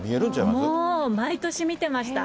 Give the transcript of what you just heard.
もう、毎年見てました。